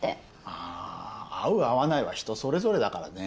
あ合う合わないは人それぞれだからね。